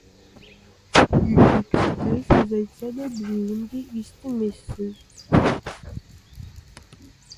Екі кісі сөз айтса, біреуін де естімессің.